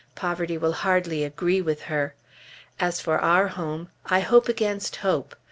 poverty will hardly agree with her. As for our home, I hope against hope.